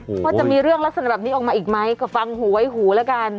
ว่าจะมีเรื่องลักษณะแบบนี้ออกมาอีกไหมก็ฟังหูไว้หูแล้วกัน